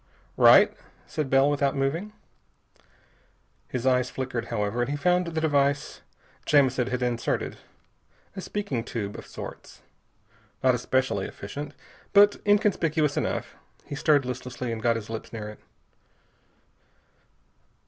"Right," said Bell without moving. His eyes flickered, however, and he found the device Jamison had inserted. A speaking tube of sorts. Not especially efficient, but inconspicuous enough. He stirred listlessly and got his lips near it.